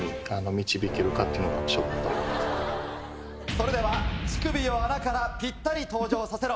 それでは「乳首を穴からピッタリ登場させろ！」。